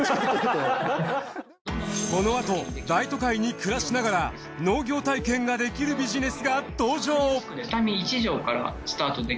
このあと大都会に暮らしながら農業体験ができるビジネスが登場！